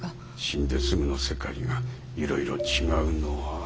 死んですぐの世界がいろいろ違うのは当たり前。